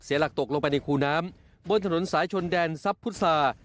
เสียหลักตกลงไปในคู่น้ำบนถนนสายชนแดนซับพุทธศาสตร์